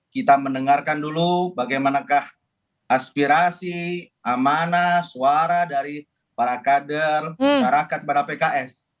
kita mendengarkan dulu bagaimanakah aspirasi amanah suara dari para kader masyarakat pada pks